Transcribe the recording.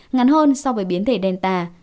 ngắn hơn so với biến thể delta